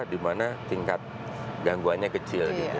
di mana tingkat gangguannya kecil gitu